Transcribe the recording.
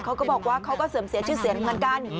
เขาก็บอกว่าเขาก็เสื่อมเสียชื่อเสียงเหมือนกัน